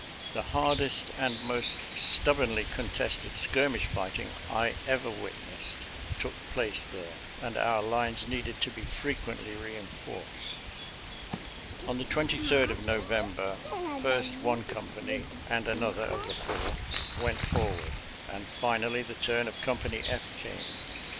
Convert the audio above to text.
The hardest and most stubbornly contested skirmish fighting I ever witnessed took place there, and our lines needed to be frequently reinforced. On the 23d of November first one STR«3NU0US TIMES IN TENNESSEE 179 company and another of the Fourth went for ward, and finally the turn of Company F came.